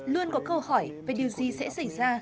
luôn có câu hỏi về điều gì sẽ xảy ra